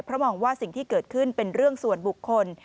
เพราะมองว่าสิ่งที่เกิดขึ้นเป็นเรื่องส่วนบุคคล